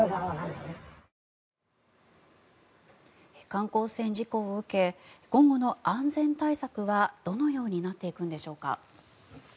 観光船事故を受け今後の安全対策はどのようになっていくんでしょうか。